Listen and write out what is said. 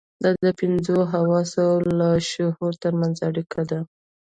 دا د پنځو حواسو او لاشعور ترمنځ اړيکه ده.